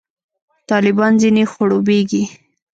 طالبان ځنې خړوبېږي.